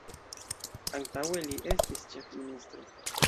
Antaŭe li estis ĉefministro.